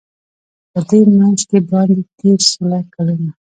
په دې منځ کي باندی تېر سوله کلونه